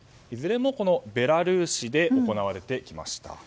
いずれもベラルーシで行われてきました。